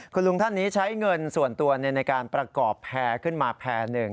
คุณลุงท่านนี้ใช้เงินส่วนตัวในการประกอบแพร่ขึ้นมาแพร่หนึ่ง